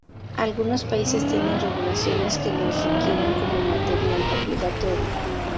Algunos países tienen regulaciones que los requieren como material obligatorio.